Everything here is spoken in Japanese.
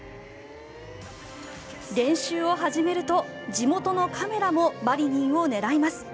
練習を始めると地元のカメラもマリニンを狙います。